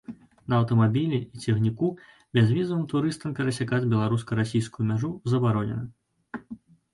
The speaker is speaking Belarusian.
На аўтамабілі і цягніку бязвізавым турыстам перасякаць беларуска-расійскую мяжу забаронена.